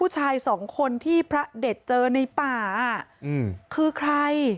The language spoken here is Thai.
ชายสองคนที่พระเด็ดเจอในป่าคือใคร